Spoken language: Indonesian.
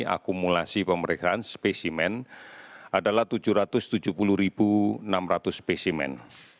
akumulasi pemeriksaan spesimen adalah tujuh ratus tujuh puluh enam ratus spesimen